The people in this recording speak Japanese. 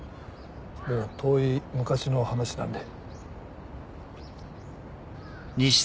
もう遠い昔の話なんで。